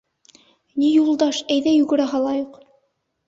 — Ни, Юлдаш, әйҙә, йүгерә һалайыҡ!